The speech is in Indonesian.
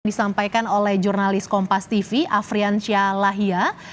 disampaikan oleh jurnalis kompas tv afriansyah lahia